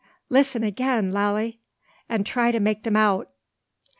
Lissen 'gain, Lally, an' try make dem out."